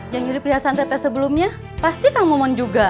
yang juri perhiasan teteh sebelumnya pasti kang momon juga